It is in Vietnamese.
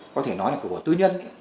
có thể nói là cửa bộ tư nhân